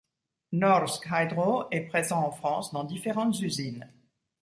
Norsk Hydro est présent en France dans différentes usines.